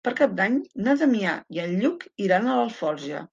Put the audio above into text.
Per Cap d'Any na Damià i en Lluc iran a Alforja.